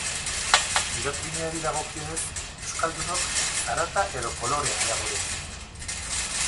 Pirotekniari dagokionez, euskaldunok zarata edo kolorea nahiago dugu?